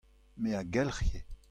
me a gelc'hie.